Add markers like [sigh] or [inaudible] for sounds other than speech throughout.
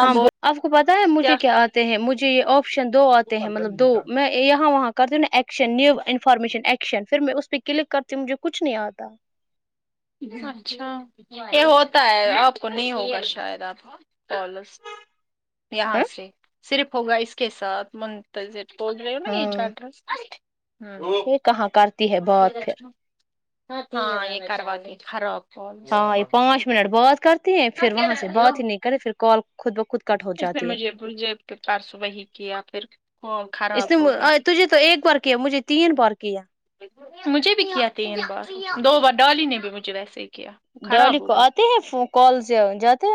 ہاں ب آپ کو پتاہ ہے مجھے کیا آتے ہیں مجھے یہ آپشن دو آتے ہیں مطلب دو میں یہاں وہاں کرتی ہوں نا ایکشن نیو انفارمیشن ایکشن پھر میں اس پہ کلک کرتی ہوں مجھے کچھ نہیں آتا اچھا یہ ہوتا ہے آپ کو نہیں ہوگا شاید آپ کو پالس یہاں ہ سے صرف ہوگا اس کے ساتھ تو پہنچ رہی ہو نا یہ ہاں چار ررس یہ کہاں کرتی ہے بات پھر ہاں یہ کر ودی خراب کالز ہاں یہ پانچ منٹ بات کرتی ہیں پھر وہاں سے بات ہی نہیں کریں پھر کال خود بخود کٹ ہو اس نے جاتی ہے مجھے بلجےب کے پارس وہی کیا پھر وہ خراب اس نے ہو گئی تجھے تو ایک بار کیا مجھے تین بار کیا مجھے بھی کیا تین بار دو بار ڈالی نے بھی مجھے ویسے ہی کیا وہ خراب ڈالی ہو کو گئی اتے ہیں فوں کل سے ہو ج اتے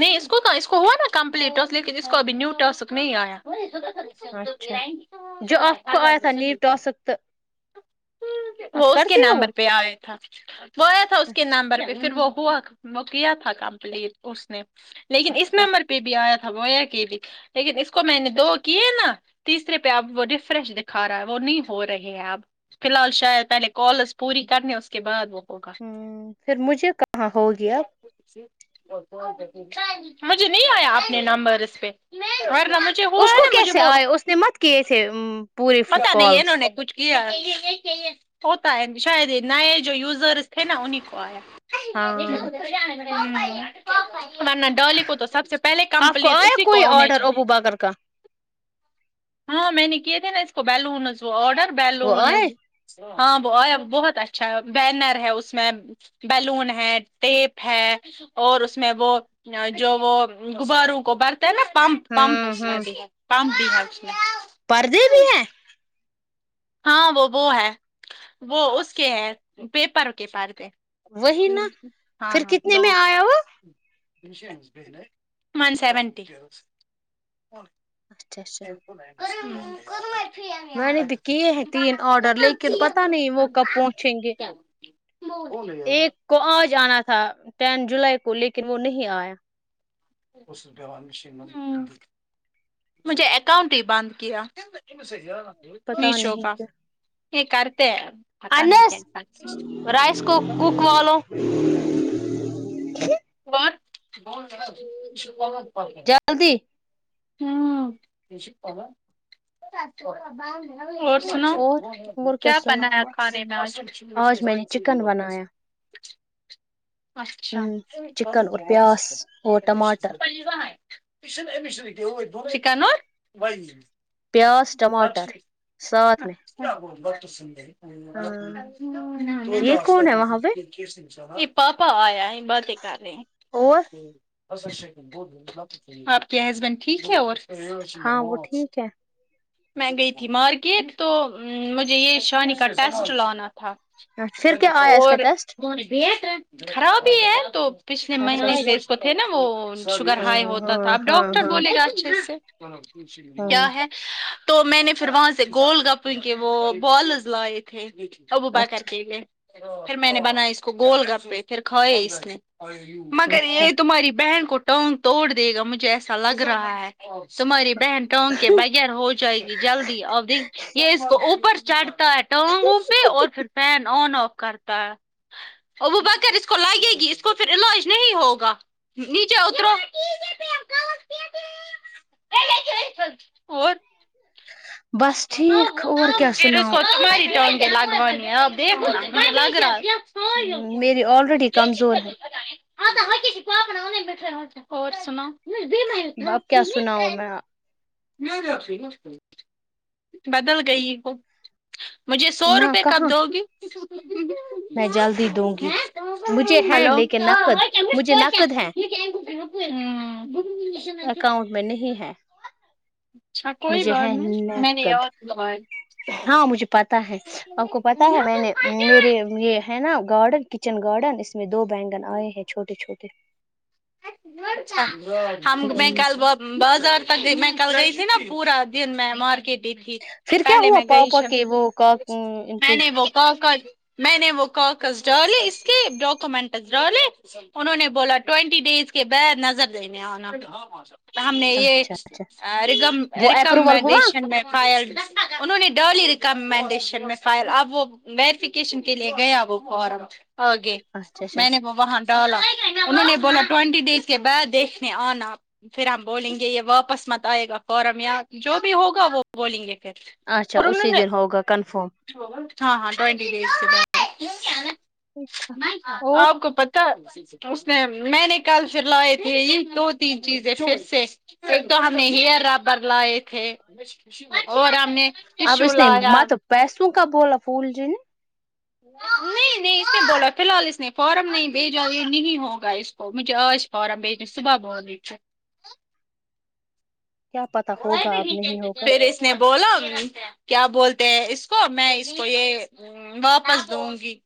نہیں اس کو اس کو ہوا نا کمپلیٹ ٹسک لیکن اس کو ابھی نیو ٹرسک نہیں آیا اچھا جو آپ کو آیا تھا نیو [inaudible] ٹاسک وہ آپ اس کے کرتی ہو وہ نمبر پہ آیا تھا وہ آیا تھا اس کے نمبر پہ پھر وہ ہوا وہ کیا تھا کمپلیٹ اس نے لیکن اس اچھا نمبر پہ بھی آیا تھا وہ کہ بھی لیکن اس کو میں نے دو کیے نا تیسرے پہ اب وہ ریفریش دکھا رہا ہے وہ ن ہو رہے ہیں اب فی الحال شاید پہلے کالز پوری کرنے اس کے بعد وہ ہوگا ہمم پھر مجھے کہاں ہوگی اب مجھے نہیں آیا اپنے نمبر اس پہ مجھے ہوا اس ہے کو نا مجھے کیسے وہ آئے اس نے مت کیے تھے پورے پتا نہیں انہوں کالس کچھ کیا ہے اتا ہے شاید یہ نئے جو یوزرس تھے نا انہیں کو آیا [inaudible] ہاں ڈالی کو تو سب سے پہلے کمپلیٹ اسی کو آنے خدا گھر کا ہاں میں نے کیے تھے نا اس کو بیلونز وہ آرڈر وہ بیلون آئے ہاں وہ آ بہت اچھا ہے بینر ہے اس میں بلون ہے ٹیپ ہے اور اس میں وہ جو وہ غباروں کو بر نا پمپ پمپ ہاں اس میں ہاں د پمپ د ح میں پردے بھی ہیں ہاں وہ وہ ہے وہ اس کے ہے پیپر کے پردے وہی نا ہاں پھر ہاں کتنے دو میں آیا ہوا ون سیونٹی اچھا اچھا میں کیسی نہیں اور وہ اور وہ میں نے تو کیے ہیں تین آڈر لیکن پتہ نہیں وہ کب پہنچیں گے نہیں وہ نہیں آ رہا ایک کو آج آنا تھا ٹین جولائی کو لیکن وہ نہیں آیا اس ڈرا میشن ہمم مجھا اکاؤنٹ ہی بند کیا پتا میشو نہیں کا کیا یہ کرتے ہیں پتا نہیں انس کیسا رائس کو کک والوں واڈ بہت زیادہ شپمنٹ ہے جلدی ہمم ہمم اور سنو اور اور کیا بنا سناؤ ہے بس کھانے میں آج آج میں نے چکن بنایا اچھا ن ہوں چکن اور پیاز اور ٹماٹر یہھ امی میشن کا نا پیاز چ ٹماٹر ساتھ میں کیا ب بت سندے ہاں میری یہ بات کون ہے سنتی وہاں پہ کہ پاپا آ سہ ب د کر رہے ہیں اور آپ کے ہسبینڈ ٹھیک ہے اور ہاں وہ ٹھیک ہے میں گئی تھی مارکیٹ تو مجھے یہ شانی کا ٹیسٹ لانا تھا ہاں، پھر کیا آیا اس کا اور ٹیسٹ م بھیت ہے خراب ہی ہے تو پچھلے اچھا مہینے تھے نا وہ شوگر ہائی ہاں ہوتا تھا ہاں اب ہاں ڈاکٹر ہاں بولے گا اچھے سے اور کچھ نہیں کیا ہاں ہے تو میں نے پھر وہاں سے گول گپ کے وہ بالز لائے تھے ابوبکر اچھا کیلیے پھر میں نے بنا یے اس کے گول گپپے پھر کھائے اس نے مگر اچھا یہ تمہاری بہن کو ٹانگ توڑ دے گا مجھے ایسا لگ رہا ہے تمہاری بہن ٹانگ کے بغیر ہو جائے گی جلدی ابھی یہ اس کو اوپر چڑھتا ہے ٹانگوں پہ اور پھر فین آن آف کرتا ہے ابوبکر اس لگیگی اسکو پھر علاج نہیں ہوگا نیچے اترو اور بس ٹھیک اور کیا پھر سناؤ سوچ ماری تو کے لگ آپ دیکھ لگ رہا ہے میرے الریڈی کمزور ہے اور سناؤ اب کیا سناؤ میں [unintelligible] بدل گئی ہو مجھے سو نہ روپے کب کہاں دو گی میں جلدی دوں گی مجھے ہیں ہلو لیکن نقد مجھے نقد ہیں اکاؤنٹ میں نہیں ہے اچھا کوئی مجھے بات ہے نہیں میں نقد نےیاد لگاۓ ہاں مجھے پتا ہے آپ کو پتا ہے میں نے میرے یہ ہے نا گارڈن کچن گارڈن اس میں دو بیگن آئے ہیں چھوٹے چھوٹے اچھا ہم میں ہوں کل بہت بازار تک کے میں کل گئی تھی نا پورا دن میں مارکیٹ میں تھی پھر کیا پہلے ہوا میں میں گئی پاپا کے وہ کا ان [unintelligible] میں کے نے وہ کاغذ میں نے وہ کاغذ ڈالے اس کے ڈاکومنٹ ڈالے انہوں نے بولا ٹوینٹی ڈیس کے بعد نظر دینے آنا ہم نے یہ اچھا اچھا رگم وہ اپروول ریکمینڈ ہوا یشن میں فائل انہوں نے ڈرلی ریکمنڈیشن میں فائل اب وہ ویریفیکیشن کے لیے گیا وہ فارم آگے اچھا اچھا میں نے وہ وہاں ڈالا انہوں نے بولا ٹوینٹی ڈیز کے بعد دیکھنے آنا پھر ہم بولیں گے یہ واپس مت آئے گا فورم یا جو بھی ہوگا وہ بولیں گے پھر اچھا اور اسی انہوں نے دن ہوگا کنفرم ہاں ہاں ٹوئنٹی ڈیس کے بعد اچھا اور اپ کو پتا اس نے میں نے کل پھر لائے تھے یہ دو تین چیزیں پھر سے ایک تو ہم نے ہیئر ربر لائے تھے اور ہم نے اب ٹشو اس نے لایا مت پیسوں کا بولا [unintelligible] نہیں نہیں اس نے بوڑا فی الحال اس نے فارم نہیں بھیجا یہ نہیں ہوگا اس کو مجھے آج فارم بھیجنے صبح بولی تھی کیا پتا ہوگا اب نہیں ہوگا [unintelligible] اس نے بولو کیا بولتے ہیں اس کو میں اس کو یہ واپس دوں گی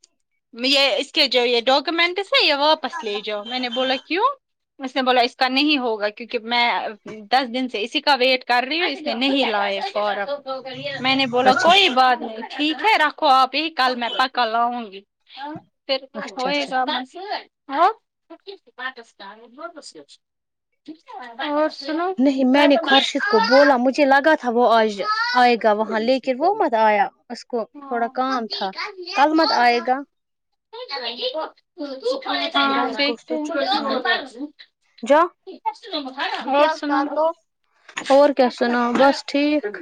یہ اس کے جو یہ ڈاکومینٹس بھیا واپس لے جاؤ میں نے بولا کیوں اس نے بولا اس کا نہیں ہوگا کیونکہ میں دس دن سے اسی ویٹ کر رہی ہوں اس نے نہیں لائے فورم میں نے بولا اچھا کوئی بات ٹھیک ہے رکھو آپ ہی کل میں کل میں پکا لاؤں گی پھر اچھا ہوئے اچھا گا ہاں اور سناؤ نہیں میں نے خورشد کو بولا مجھے لگا تھا وہ آج آئے گا وہاں لے کے وہ مت آیا اس کو تھوڑا کام تھا کل مت آئے گا ہاں رائس کو دیکھتے ہیں سوئچ ڈالو جا ور سناؤ اور کیا سنا بس ٹھیک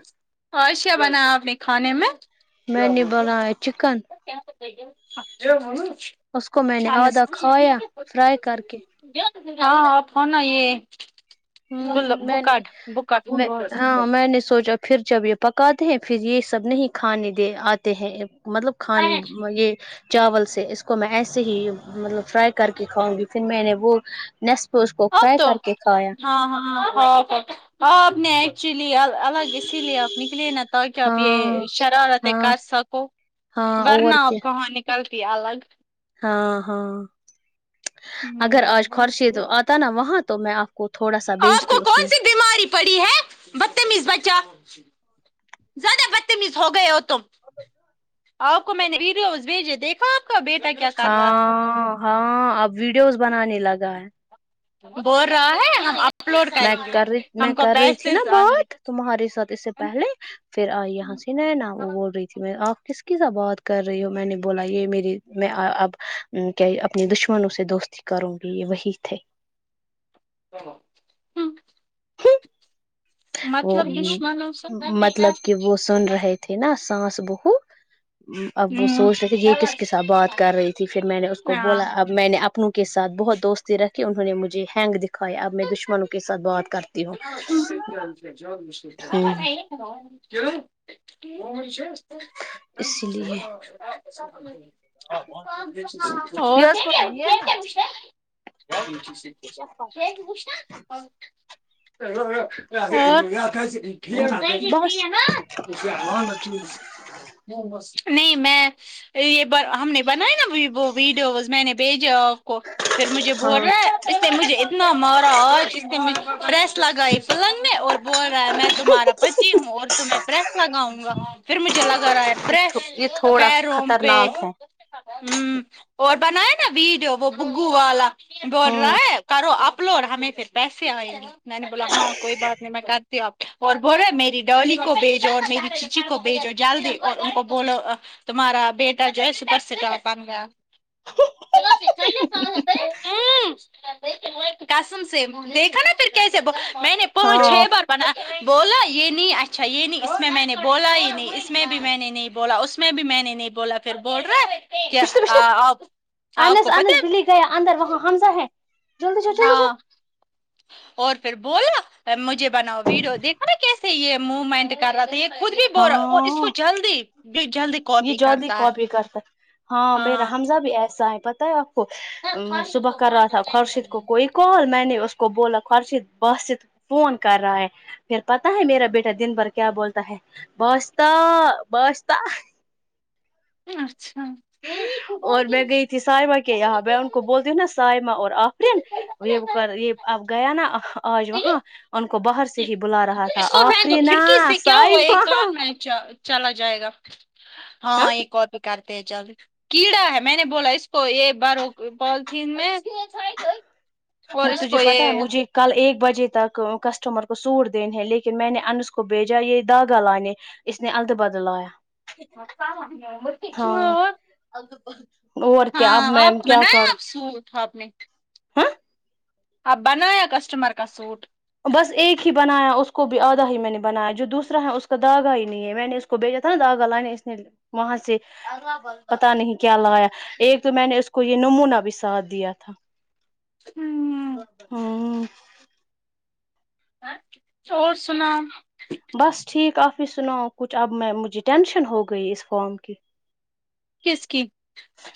آج کیا بنایا آپ نے کھانے میں میں نے بنایا چکن اچھا اس کو میں نے آدھا کھایا فرائی کر کے [unintelligible] ہاں فنا یہ ہوں میں نے بکٹ بکٹ میں ہاں میں نے سوچا پھر جب یہ پکاتے ہیں پھر یہ سب نہیں کھانے دے آتے ہیں مطلب خان مے یہ چاول سے اس کو میں ایسے ہی مطلب فرائی کر کے کھاؤں گی پھر میں نے وہ نسپو اس کو اب فرائی تو کر کے کھایا ہاں ہاں آپ نے ایکچولی الگ اسی لیے آپ نکلے نا تاکہ آپ یہ ہاں شرارتیں ہاں کر سکو ہاں اور ورنا آپ کیا کہاں نکلتی الگ ہاں ہاں اگر آج خرشے تو آتا نا وہاں تو میں آپ کو تھوڑا سا آپ بیچتی کو اس کون میں سی بیماری پڑی ہے بدتمیز بچہ زیادہ بدتمیز ہو گئے ہو تم آپ کو میں نے ویڈیوز بھیجے دیکھا آ کا بیٹا کیا کر رہا تھا ہاں ہاں اب ویڈیوز بنانے لگا ہے بول رہا ہے اپلوڈ میں کریں گے کر رہی میں ہم کو کر رہی تھی پیسے نا آئیں گے بات تمہاریے ساتھ اس سے پہلے پھر آ یہاں سے نےنا وہ بول رہی تھی میں آ اس کی سب بات کر رہی ہو میں نے بولا یہ میری میں اب کیا اپنی دشمنوں سے دوست کروں گی یہ وہی تھے تو وہ مطلب دشمنوں سے مطلب کہ وہ سن رہے تھے نا سانس بہو اب وہ سوچ رہے تھے یہ کس ک س بات کر رہی تھی پھر میں نے اس کو ہاں بولا اب میں نے اب اپنوں کے ساتھ بہت دوستی رکھے انہوں نے مجھے ہینگ دکھایا اب میں دشمنوں کے ساتھ بات کرتی ہوں [unintelligible] اسی [unintelligible] لیے [unintelligible] یہ اس کو نہیں ہے اور اور بس [unintelligible] نہیں میں یہ ہم نے بنایا نا ویڈیوز میں نے بھیجا کو پھر مجھے ہاں بولنا اس نے مجھے اتنا مارا آج پریس لگائی پلنگ میں اور بول رہا ہے میں تمہارا پتی ہوں اور تمہیں پریس لگاؤں گا پھر مجھے لگا رہا ہے یہ پریس تھوڑا پیروں پہ خطرناک ہ ہے اور بنائے نا ویڈیو وہ بگو والا بول رہا ہے کرو اپ لوڈ ہمیں پھر پیسے آئے ہیں میں نے بولا ہاں کوئی بات نہیں میں کر اور بولے میری ڈولی کو بھیجو اور میری چیچی کو بھیجو جل دی اور ان کو بولو تمہارا بیٹا جو ہے سوپر سٹار بن گیا قسم سے دیکھا نا پھر کیسے میں نے پانچ چھ ہاں بار بولا یہ نہیں اچھا یہ نہیں اس میں میں نے بولا یہ نہیں اس میں بھی میں نے نہیں بولا اس میں میں بھی میں نے نہیں بولا پھر بول رہا کیا پچھتے پچھتے آپ آپ انس کو پتہ انس ہے بلی گیا اندر وہاں حمزہ ہے جلدی جا جلدی جا ہاں اور پھر بولا مجھے بناؤ ویڈیو دیکھا کیسے یہ موومنٹ کر رہا تھا خود بھی بول رہا اور اس کو ہاں جلدی جلدی کاپی کر کی کاپی کرتاک ہاں میرا حمزہ بھی ایسا ہے پتہ ہے آپ کو صبح کر رہا تھا خورشید کو کوئی کال میں نے اس کو بولا خورشید باسط فون کر رہا ہے پھر پتا ہے میرا بیٹا دن بھر کیا بولتا ہے بشتاہ بشتاہ اچھا اور میں گئی تھی سائمہ کے یہاں میں ان کو بولتی ہوں نا سائمہ اور آفرین یہ وہ کر یہ اب گیا نا آج وہاں ان کو باہر سے ہی بلا رہا اس تھا کو پھینکو آفرینا کھڑکی سے کیا ہوا ایک سائمہ کان میں چلا جائے گا ہاں ایک کاپی کرتے ہیں جلدی کیڑا ہے میں نے بولا اس کو یہ بارو پالتھین میں اور اس تجھے کو پتا ہے یہ مجھے کل ایک بجے تک کسٹمر کو سوٹ دینے ہیں لیکن میں نے انس کو بھیجا یہ داگا لانے اس نے اللد باد لایا ہاں ہاں اور کیا اب میں کیا کروں سو تھاا آپ نے ہ آپ بناایا کسٹمر کا سوٹ بس ایک ہی بنایا اس کو بھی آدھا ہی میں نے بنایا جو دوسرا ہے اس کا داگا ہی نہیں ہے میں نے اس کو کو بیجا تھا نا داگہ لانا اس نے وہاں سے پتہ نہیں کیا لایا ایک تو میں نے اس کو یہ نمونہ بھی ساتھ دیا تھا ہوں، ہاں اور سناؤ بس ٹھیک آپ ہی سناؤ کچھ اب میں مجھے ٹینشن ہو گئی اس فارم کی کس کی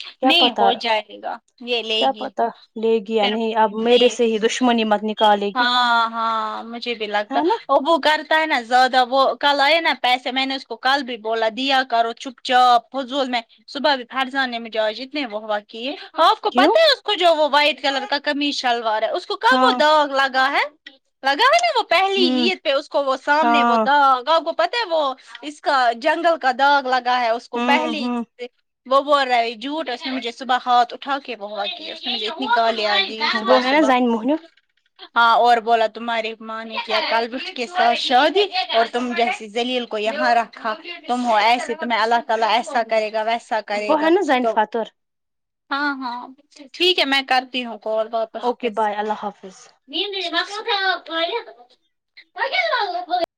کیا نہیں پتا ہو جائے گا یہ لے کیا گی پتا لے گی یا پھر نہیں اب میرے نہیں سے ہی دشمنی مت نکالے گی ہاں ہاں مجھے بھی لگتا ہے نا اب وہ کرتا ہے نا زیادہ وہ کل آئے نا پیسے میں نے اس کو کل بھی بولا دیا کرو چپ چاپ فضول م میں صبح بھی بھر جانے میں کیا جتنے و وہ وق ہف کو کیوں پتہ ہے اس کو جو وہ وائٹ کلر کا کمیز شلوار ہے اس کو کب وہ ہاں داغ لگا ہے لگا ہے نا وہ پہلی ہوں عید پہ اس کو وہ سامنے وہ ہاں داغا پتہ ہے وہ اس کا جنگل کا داغ لگا ہے اس کو ہوں پہلے ہوں سے وہ بول رہا ہے جھوٹ اس نے مجھے صبح ہاتھ اٹھا کے بولا کی اس نے مجھے اتنی گالی دی بو صبح ہے نا صبح جائن موہنیو ہاں اور بولا تمہاریے ماں نے کیا کلبٹ کے ساتھ شادی اور تم جیسی زلیل کو یہاں رکھا تم ہو ایسے تمہیں اللہ تعالی ایسا کرے گا ویسا کرے وہ گا ہے نا زین فاتر ہاں ہاں ٹھیک ہے میں کرتی ہوں کال بعد اوکے بائے اللہ حافظ